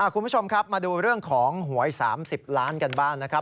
คุณผู้ชมครับมาดูเรื่องของหวย๓๐ล้านกันบ้างนะครับ